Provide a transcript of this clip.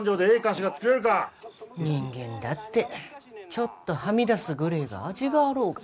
人間だってちょっとはみ出すぐれえが味があろうが。